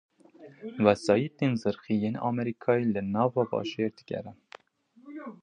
Wesayîtên zirxî yên Amerîkayê li nava bajêr digerin